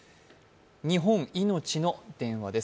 日本いのちの電話です。